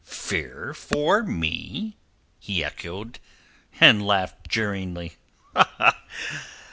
"Fear for me?" he echoed, and laughed jeeringly.